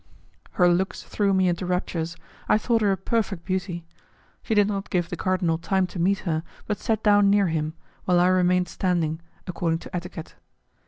Her looks threw me into raptures; I thought her a perfect beauty. She did not give the cardinal time to meet her, but sat down near him, while I remained standing, according to etiquette.